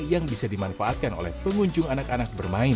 yang bisa dimanfaatkan oleh pengunjung anak anak bermain